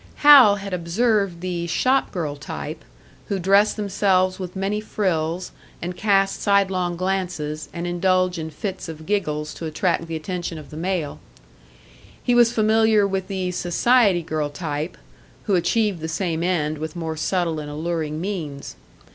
Hal had observed the shop girl type, who dress themselves with many frills, and cast side long glances, and indulge in fits of giggles to attract the attention of the male; he was familiar with the society girl type, who achieve the same end with more subtle and alluring means.